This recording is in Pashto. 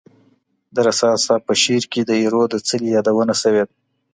د رسا صاحب په شعر کي د ایرو د څلي یادونه سوې ده.